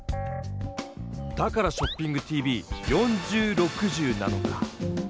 だから「ショッピングＴＶ４０／６０」なのか！